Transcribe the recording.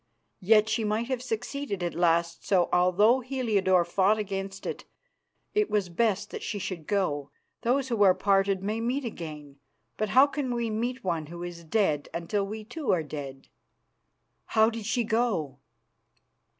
Yet she might have succeeded at last, so, although Heliodore fought against it, it was best that she should go. Those who are parted may meet again; but how can we meet one who is dead until we too are dead?" "How did she go?"